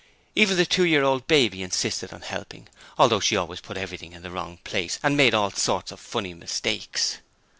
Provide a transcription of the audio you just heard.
Even the two year old baby insisted on helping, although she always put everything in the wrong place and made all sorts of funny mistakes.